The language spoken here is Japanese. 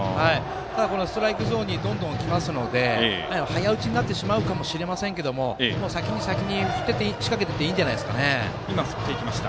ただ、このストライクゾーンにどんどん来ますので早打ちになってしまうかもしれませんが先に先に、仕掛けてていいんじゃないですかね。